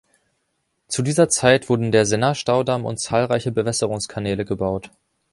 Zu dieser Zeit wurden der Sennar-Staudamm und zahlreiche Bewässerungskanäle gebaut.